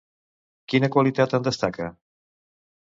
Quina qualitat en destaca?